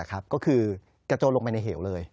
ก็คือกระโจนลงไปในเหวเลย